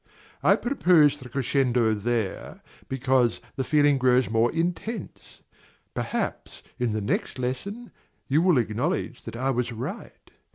I proposed the crescendo there, because the feeling grows more intense; perhaps, in the next lesson, you will acknowledge that I was right.